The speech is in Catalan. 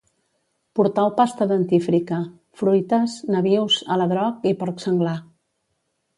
Portau pasta dentifrícia, fruites, nabius, aladroc i porc senglar